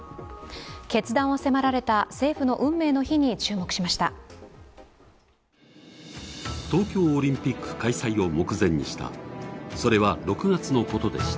決断を迫られた政府の運命の日に注目しました。